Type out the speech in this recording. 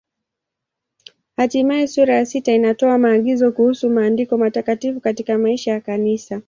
Hatimaye sura ya sita inatoa maagizo kuhusu Maandiko Matakatifu katika maisha ya Kanisa.